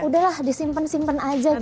udah lah disimpen simpen aja gitu ya